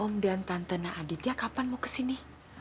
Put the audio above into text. om dan tantena aditya kapan mau kesini